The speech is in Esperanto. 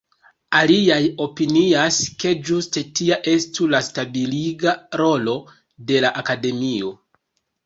Aliaj opinias, ke ĝuste tia estu la stabiliga rolo de la Akademio.